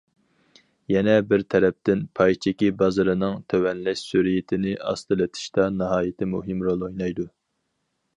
يەنە بىر تەرەپتىن، پاي چېكى بازىرىنىڭ تۆۋەنلەش سۈرئىتىنى ئاستىلىتىشتا ناھايىتى مۇھىم رول ئوينايدۇ.